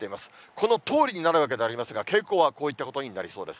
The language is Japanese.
このとおりになるわけではありますが、傾向はこういったことになりそうです。